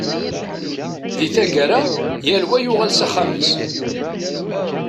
Di taggara, yal wa yuɣal s axxam-is.